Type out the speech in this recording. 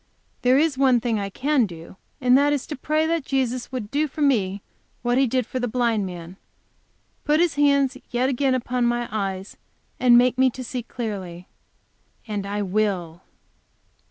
There is one thing I can do, and that is to pray that Jesus would do for me what He did for the blind man put His hands yet again upon my eyes and make me to see clearly. And I will.